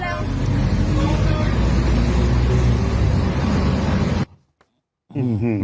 นี่ก๊อตรู้แล้ว